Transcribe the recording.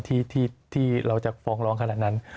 ที่เราจะฟ้องร้องขนาดนั้น